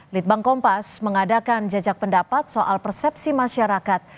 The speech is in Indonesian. litbang kompas mengadakan jejak pendapat soal persepsi masyarakat